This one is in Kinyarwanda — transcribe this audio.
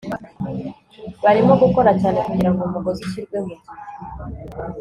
barimo gukora cyane kugirango umugozi ushyirwe mugihe